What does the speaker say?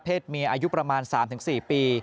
เมียอายุประมาณ๓๔ปี